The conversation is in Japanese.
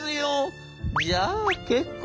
「じゃあ結構」。